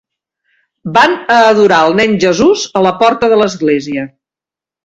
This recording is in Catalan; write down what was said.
Van a adorar el nen Jesús a la porta de l'església.